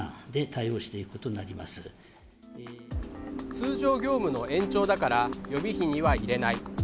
通常業務の延長だから予備費には入れない。